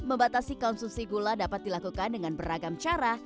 membatasi konsumsi gula dapat dilakukan dengan beragam cara